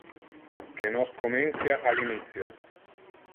Que nos comencia al initio.